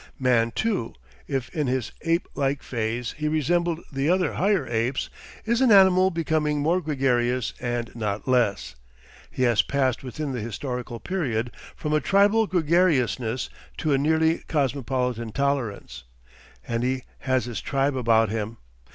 Man too, if in his ape like phase he resembled the other higher apes, is an animal becoming more gregarious and not less. He has passed within the historical period from a tribal gregariousness to a nearly cosmopolitan tolerance. And he has his tribe about him.